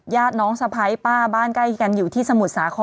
ญาติน้องสะพ้ายป้าบ้านใกล้กันอยู่ที่สมุทรสาคร